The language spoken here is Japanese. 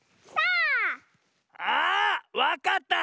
あわかった！